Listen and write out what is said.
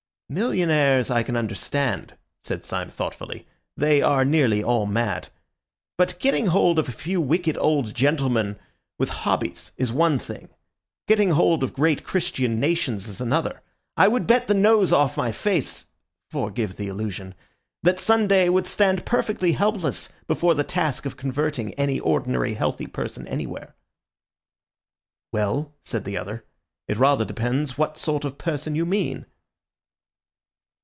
"Millionaires I can understand," said Syme thoughtfully, "they are nearly all mad. But getting hold of a few wicked old gentlemen with hobbies is one thing; getting hold of great Christian nations is another. I would bet the nose off my face (forgive the allusion) that Sunday would stand perfectly helpless before the task of converting any ordinary healthy person anywhere." "Well," said the other, "it rather depends what sort of person you mean."